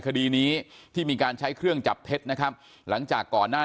คดีนี้ที่มีการใช้เครื่องจับเท็จนะครับหลังจากก่อนหน้า